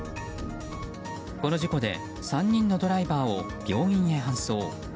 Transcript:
この事故で３人のドライバーを病院へ搬送。